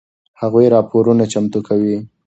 هغوی راپورونه چمتو کوي.